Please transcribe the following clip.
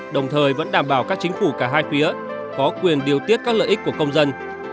đồng thời vẫn đảm bảo các chính phủ cả hai phía có quyền điều tiết các lợi ích của công dân